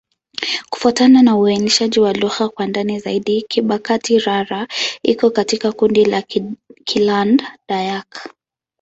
Kufuatana na uainishaji wa lugha kwa ndani zaidi, Kibakati'-Rara iko katika kundi la Kiland-Dayak.